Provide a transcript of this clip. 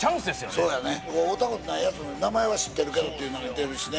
そうやね会うたことないやつ名前は知ってるけどっていうのいてるしね